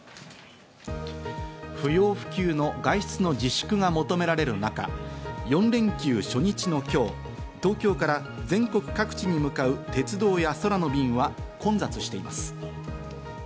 不要不急の外出の自粛が求められる中、４連休初日の今日、東京から全国各地に向かう鉄道や空の便は混雑しています。